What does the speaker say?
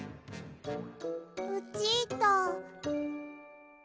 ルチータ。